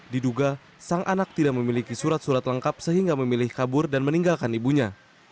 diduga sang anak tidak memiliki surat surat lengkap sehingga memilih kabur dan meninggalkan ibunya